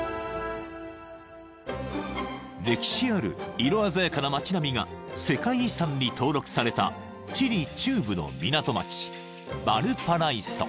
［歴史ある色鮮やかな町並みが世界遺産に登録されたチリ中部の港町］